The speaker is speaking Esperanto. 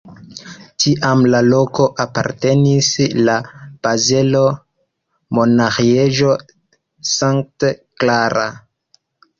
Tiam la loko apartenis la bazela Monaĥejo St. Clara.